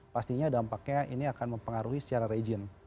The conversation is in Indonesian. pastinya dampaknya ini akan mempengaruhi secara region